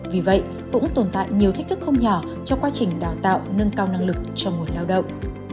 vì vậy cũng tồn tại nhiều thách thức không nhỏ cho quá trình đào tạo nâng cao năng lực cho nguồn lao động